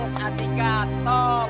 ih bagus artinya top